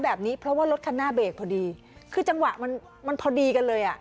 แบบนี้เพราะว่ารถคันหน้าเบรกพอดีคือจังหวะมันมันพอดีกันเลยอ่ะ